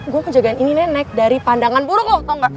gue mau jagain ini nenek dari pandangan buruk lo tau gak